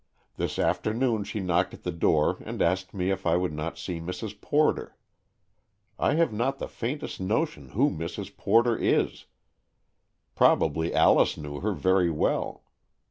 This afternoon she knocked at the door and asked me if I would not see Mrs. Porter. I have not the faintest notion who Mrs. Porter is. Prob ably Alice knew her very well.